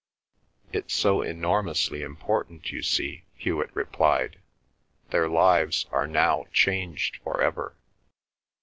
"It's so enormously important, you see," Hewet replied. "Their lives are now changed for ever."